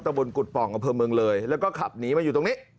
บนกุฎป่องอำเภอเมืองเลยแล้วก็ขับหนีมาอยู่ตรงนี้